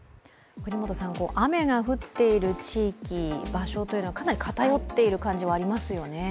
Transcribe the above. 雨が降っている地域、場所はかなり偏っている感じはありますよね？